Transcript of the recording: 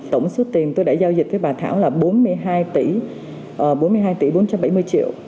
tổng số tiền tôi đã giao dịch với bà thảo là bốn mươi hai tỷ bốn trăm bảy mươi triệu